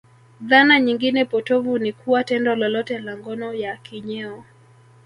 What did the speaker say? Dhana nyingine potovu ni kuwa tendo lolote la ngono ya kinyeo